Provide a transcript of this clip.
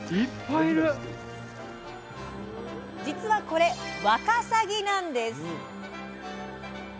実はこれ「わかさぎ」なんです。